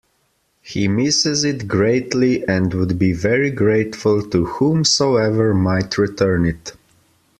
He misses it greatly and would be very grateful to whomsoever might return it.